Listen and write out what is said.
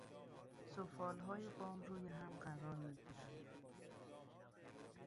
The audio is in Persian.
سفالهای بام روی هم قرار میگیرند.